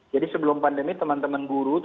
jadi sebelum pandemi teman teman guru